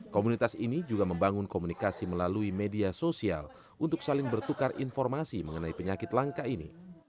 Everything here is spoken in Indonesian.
komunitas ini juga membangun komunikasi melalui media sosial untuk saling bertukar informasi mengenai penyakit langka ini